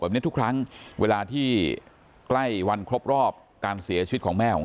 แบบนี้ทุกครั้งเวลาที่ใกล้วันครบรอบการเสียชีวิตของแม่ของเขา